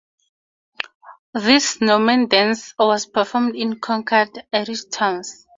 This Norman dance was performed in conquered Irish towns.